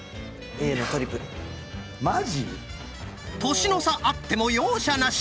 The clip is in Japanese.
⁉年の差あっても容赦なし！